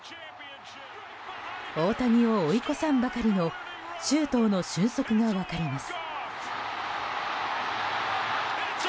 大谷を追い越さんばかりの周東の俊足が分かります。